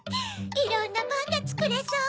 いろんなパンがつくれそう！